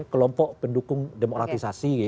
kelompok pendukung demokratisasi gitu ya